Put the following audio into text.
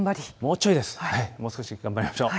もう少し頑張りましょう。